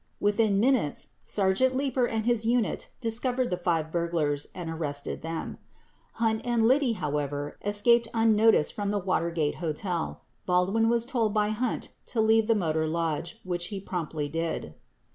Within minutes, Sergeant Leeper and his unit discovered the five burglars and arrested them. 12 Hunt and Liddy, however, escaped un noticed from the Watergate Hotel. Baldwin was told by Hunt to leave the Motor Lodge, which he promptly did.